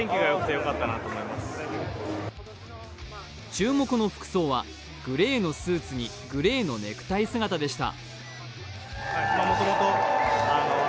注目の服装はグレーのスーツにグレーのネクタイ姿でした。